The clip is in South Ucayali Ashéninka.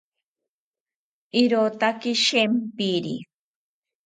Irotaki shempiri